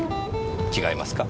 違いますか？